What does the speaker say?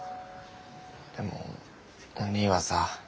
でもおにぃはさ